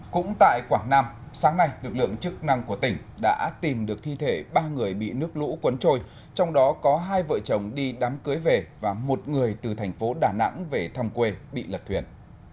cũng tại quảng nam sáng nay lực lượng chức năng của tỉnh đã tìm được thi thể ba người bị nước lũ cuốn trôi trong đó có hai vợ chồng đi đám cưới về và một người từ thành phố đà nẵng về thăm quê bị lật thuyền